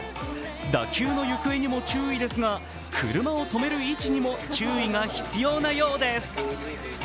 打球の行方にも注意ですが、車を止める位置にも注意が必要なようです。